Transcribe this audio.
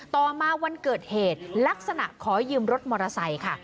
ต่อมาวันเกิดเหตุลักษณะขอยืมรถมอเตอร์ไซค์ค่ะ